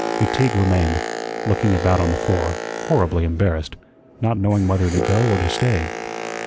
McTeague remained, looking about on the floor, horribly embarrassed, not knowing whether to go or to stay.